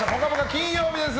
金曜日です。